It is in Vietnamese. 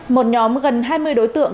một nhóm gần hai mươi đối tượng